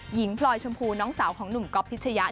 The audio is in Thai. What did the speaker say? พลอยชมพูน้องสาวของหนุ่มก๊อฟพิชยะ